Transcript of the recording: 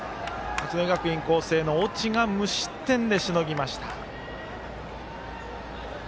八戸学院光星の越智が無失点でしのぎました。